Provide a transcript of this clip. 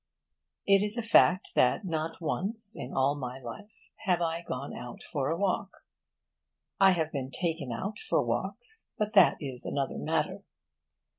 It is a fact that not once in all my life have I gone out for a walk. I have been taken out for walks; but that is another matter.